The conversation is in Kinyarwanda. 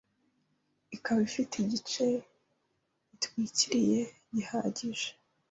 ikaba ifite igice gitwikiriye gihagije